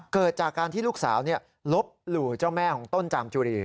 เกิดจากการที่ลูกสาวลบหลู่เจ้าแม่ของต้นจามจุรี